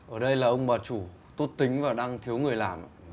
ở đây là ông bà chủ tốt tính và đang thiếu người làm